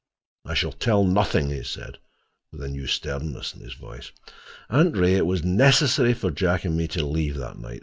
"I shall tell nothing," he said with a new sternness in his voice. "Aunt Ray, it was necessary for Jack and me to leave that night.